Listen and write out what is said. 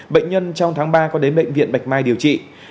bệnh nhân trong tháng ba có đến bệnh viện bạch mai điều trị